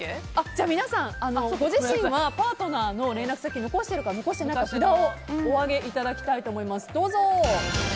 じゃあ皆さん、ご自身はパートナーの連絡先を残しているか、残していないか札をお上げいただきたいと思います。